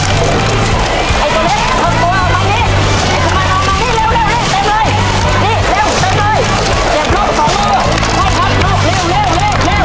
กวลต่อ๓ชนิด้านเขาจะทำตันละกิดที่แต่สำเร็จดูให้กันนะครับ